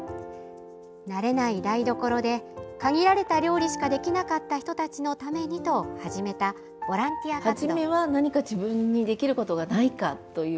慣れない台所で限られた料理しかできなかった人たちのためにと始めたボランティア活動。